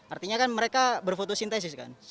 artinya kan mereka berfotosintesis kan